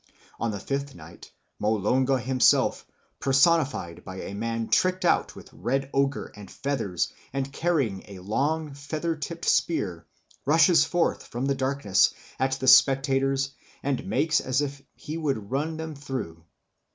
On the fifth night Molonga himself, personified by a man tricked out with red ochre and feathers and carrying a long feather tipped spear, rushes forth from the darkness at the spectators and makes as if he would run them through.